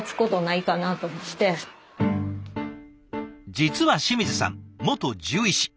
実は清水さん元獣医師。